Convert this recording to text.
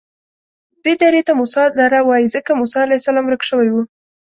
دې درې ته موسی دره وایي ځکه موسی علیه السلام ورک شوی و.